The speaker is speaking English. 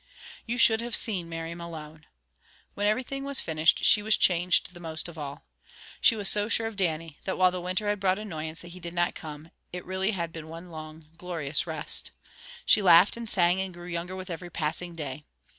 You should have seen Mary Malone! When everything was finished, she was changed the most of all. She was so sure of Dannie, that while the winter had brought annoyance that he did not come, it really had been one long, glorious rest. She laughed and sang, and grew younger with every passing day.